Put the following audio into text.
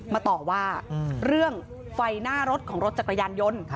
มาต่อว่าเรื่องไฟหน้ารถของรถจักรยานยนต์